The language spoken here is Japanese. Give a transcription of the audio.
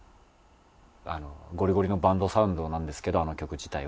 ゴリゴリのバンドサウンドなんですけどあの曲自体は。